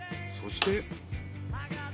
そして。